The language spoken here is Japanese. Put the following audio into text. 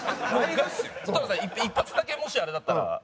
蛍原さん１発だけもしあれだったら。